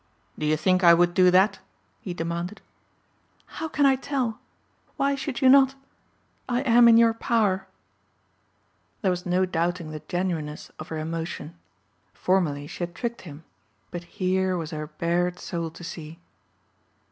"Do you think I would do that?" he demanded. "How can I tell? Why should you not? I am in your power." There was no doubting the genuineness of her emotion. Formerly she had tricked him but here was her bared soul to see.